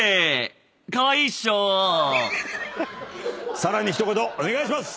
さらに一言お願いします！